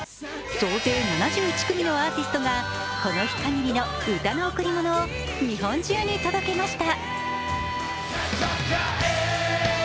総勢７１組のアーティストがこの日かぎりの歌の贈り物を日本中に届けました。